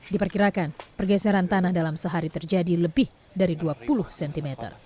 diperkirakan pergeseran tanah dalam sehari terjadi lebih dari dua puluh cm